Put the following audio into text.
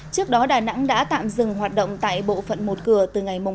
trước đó đà nẵng đã tạm dừng hoạt động tại bộ phận một cửa từ ngày hai tháng bốn